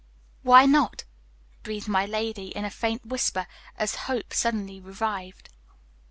"Why not?" breathed my lady in a faint whisper, as hope suddenly revived.